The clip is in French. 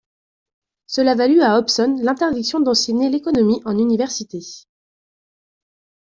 Cela valut à Hobson l'interdiction d'enseigner l'économie en université.